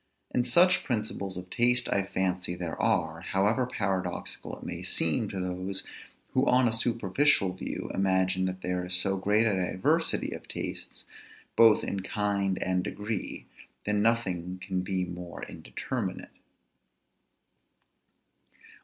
And such principles of taste I fancy there are; however paradoxical it may seem to those, who on a superficial view imagine that there is so great a diversity of tastes, both in kind and degree, that nothing can be more indeterminate.